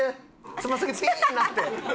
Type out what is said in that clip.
つま先ピーンなって。